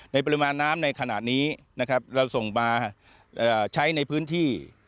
ปริมาณน้ำในขณะนี้นะครับเราส่งมาใช้ในพื้นที่